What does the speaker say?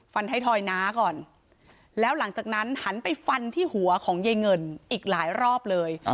ไทยทอยน้าก่อนแล้วหลังจากนั้นหันไปฟันที่หัวของยายเงินอีกหลายรอบเลย